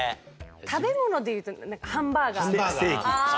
食べ物でいうとハンバーガー。